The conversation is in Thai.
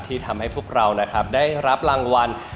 ที่ทำให้พวกเรานะครับได้รับรางวัล